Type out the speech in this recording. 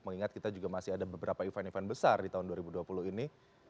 mengingat kita juga masih ada beberapa event event besar di tahun dua ribu dua puluh ini